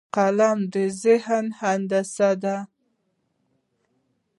قلم د ذهن هندسه ده